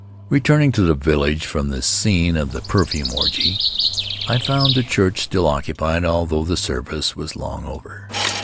Returning to the village from the scene of the perfume orgy, I found the church still occupied, although the service was long over.